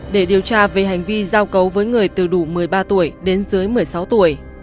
để điều tra về hành vi giao cấu với người từ đủ một mươi ba tuổi đến dưới một mươi sáu tuổi